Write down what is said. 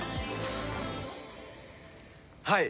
はい！